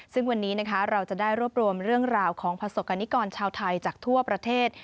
ซึ่งวันนี้นะคะเราจะได้รวบรวมเรื่องราวของประสบกรณิกรชาวไทยจากทั่วประเทศ